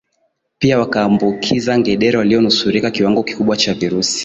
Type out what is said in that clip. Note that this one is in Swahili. Pia wakawaambukiz ngedere walionusurika kiwango kikubwa cha virusi